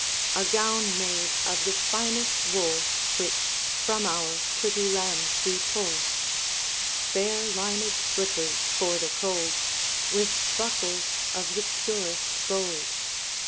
A gown made of the finest wool Which from our pretty lambs we pull; Fair linèd slippers for the cold, 15 With buckles of the purest gold.